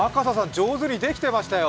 上手にできてましたよ。